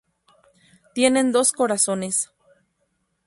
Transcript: Tienen dos corazones.